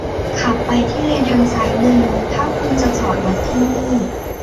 ขับไปที่เลนทางซ้ายมือถ้าคุณจะจอดรถที่นี้